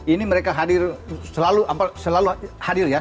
ini mereka hadir selalu hadir ya